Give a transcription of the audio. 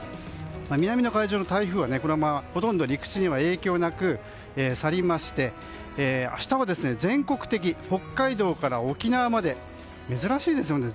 南の海上の台風はほとんど陸地には影響なく去りまして明日は北海道から沖縄まで珍しいですね。